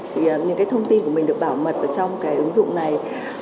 thì những thông tin của mình được bảo mật trong ứng dụng này